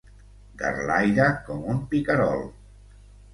Garlaire com un picarol.